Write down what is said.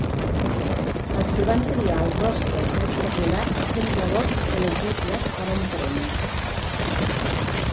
Els que van triar els rostres més populars són llavors elegibles per a un premi.